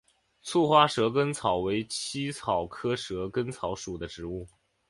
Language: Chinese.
簇花蛇根草为茜草科蛇根草属的植物。